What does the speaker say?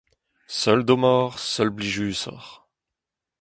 Seul dommoc'h, seul blijusoc'h.